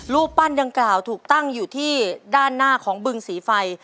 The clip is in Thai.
รูปปั้นดังกล่าวถูกตั้งอยู่ที่ด้านหน้าของบึงสีไฟ